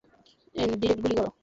Direct গুলি করো?